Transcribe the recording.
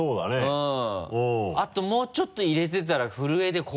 うん。